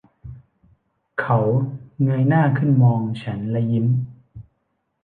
เขาเงยหน้าขึ้นมองฉันและยิ้ม